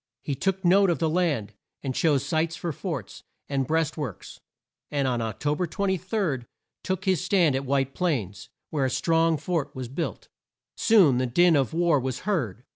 He took note of the land, and chose sites for forts, and breast works, and on Oc to ber 23, took his stand at White Plains, where a strong fort was built. Soon the din of war was heard.